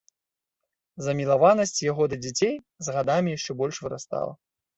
Замілаванасць яго да дзяцей з гадамі яшчэ больш вырастала.